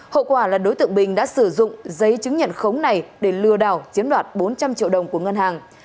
hậu quả là đối tượng bình đã sử dụng giấy chứng nhận khống này để lừa đảo chiếm đoạt bốn trăm linh triệu đồng của ngân hàng